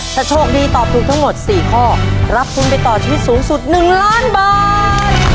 ถ้าโชคดีตอบถูกทั้งหมด๔ข้อรับทุนไปต่อชีวิตสูงสุด๑ล้านบาท